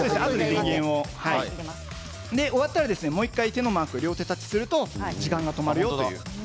終わったら、もう１回手のマークを両手でタッチすると時間が止まります。